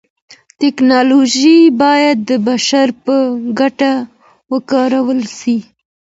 تکنالوژي بايد د بشر په ګټه وکارول سي.